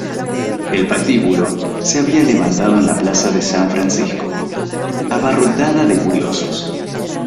El patíbulo se había levantado en la plaza de San Francisco, abarrotada de curiosos.